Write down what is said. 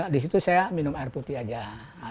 di situ saya minum air putih aja